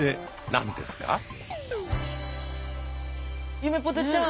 ゆめぽてちゃん